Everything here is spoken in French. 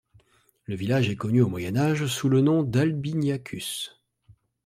Le village est connu au Moyen Âge sous le nom d'Albiniacus.